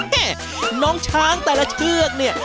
แม่น้องช้างแต่ละเชือกเนี่ย